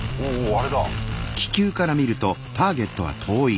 あれだ。